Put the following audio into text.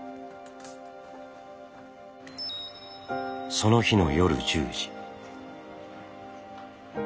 その日の夜１０時。